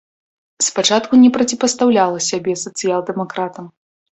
Спачатку не проціпастаўляла сябе сацыял-дэмакратам.